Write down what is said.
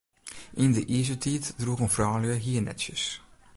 Yn de Izertiid droegen froulju hiernetsjes.